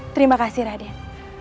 terima kasih raden